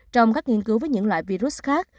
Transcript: trong các nghiên cứu với những loại virus khác